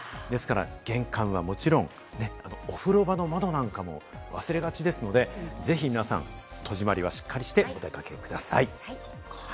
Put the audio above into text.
玄関はもちろん、お風呂場の窓なんかも忘れがちですので、ぜひ皆さん、戸締まりはしっかりしてお出かけください。